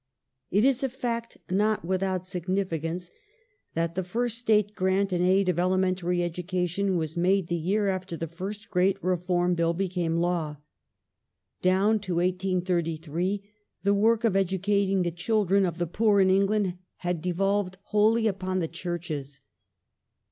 It is a fact not without significance that the first State grant Elemen in aid of elementary education was made the year after the first '^^T ^'^}^'"^"^ cation m great Reform Bill became law. Down to 1833 the work of educat England ing the children of the poor in England had devolved wholly upon the Churches.